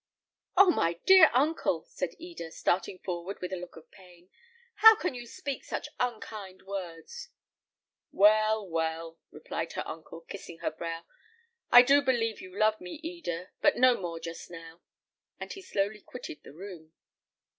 "Oh, my dear uncle!" said Eda, starting forward with a look of pain, "how can you speak such unkind words?" "Well, well!" replied her uncle, kissing her brow, "I do believe you love me, Eda; but no more just now." And he slowly quitted the room.